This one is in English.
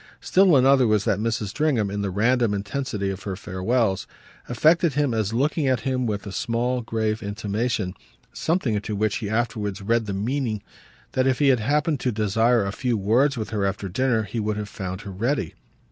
Still another was that Mrs. Stringham, in the random intensity of her farewells, affected him as looking at him with a small grave intimation, something into which he afterwards read the meaning that if he had happened to desire a few words with her after dinner he would have found her ready.